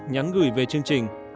nhắn gửi về chương trình